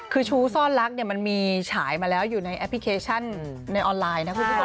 คือชู้ซ่อนลักเนี่ยมันมีฉายมาแล้วอยู่ในแอปพลิเคชันในออนไลน์นะคุณผู้ชม